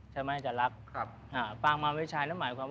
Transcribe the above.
ใช่ไหมอาจารัก